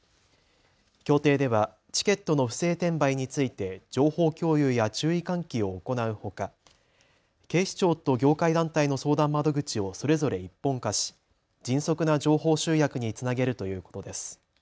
協定ではチケットの不正転売について情報共有や注意喚起を行うほか警視庁と業界団体の相談窓口をそれぞれ一本化し迅速な情報集約につなげるということです。